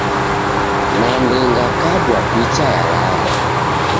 Nande ngakabwa picha ya lagha.